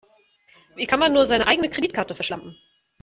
Wie kann man nur seine eigene Kreditkarte verschlampen?